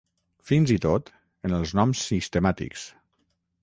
Fins i tot en els noms sistemàtics.